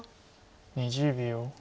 ２０秒。